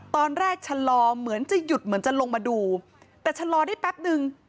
ตอนแรกชะลอเหมือนจะหยุดเหมือนจะลงมาดูแต่ชะลอได้แป๊บนึง